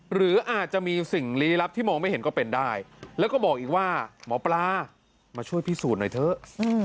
หรืออาจจะมีสิ่งลี้ลับที่มองไม่เห็นก็เป็นได้แล้วก็บอกอีกว่าหมอปลามาช่วยพิสูจน์หน่อยเถอะ